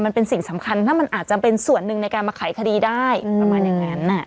มันเป็นสิ่งสำคัญถ้ามันอาจจะเป็นส่วนหนึ่งในการมาไขคดีได้ประมาณอย่างนั้น